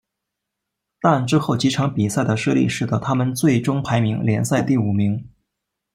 但之后几场比赛的失利使得他们最终排名联赛第五名。